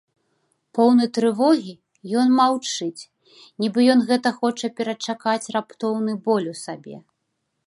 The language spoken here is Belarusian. Поўны трывогі, ён маўчыць, нібы ён гэта хоча перачакаць раптоўны боль у сабе.